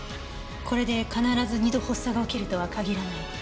これで必ず二度発作が起きるとは限らない。